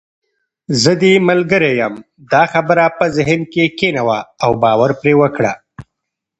زه دې ملګرې یم، دا خبره په ذهن کې کښېنوه او باور پرې وکړه.